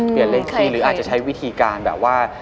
เลขที่หรืออาจจะใช้วิธีการแบบว่า